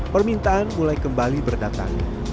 permintaan mulai kembali berdatang